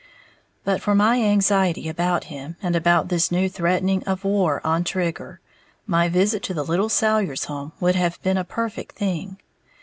But for my anxiety about him, and about this new threatening of "war" on Trigger, my visit to the little Salyers' home would have been a perfect thing.